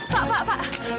pak pak pak